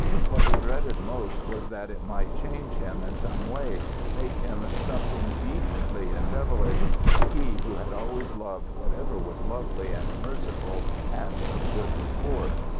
What he dreaded most was that it might change him in some way, make him something beastly and devilish he who had always loved whatever was lovely and merciful and of good report."